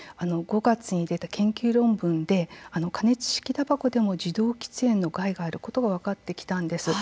５月に出た研究論文で加熱式たばこでも受動喫煙の害があることが分かってきたんです。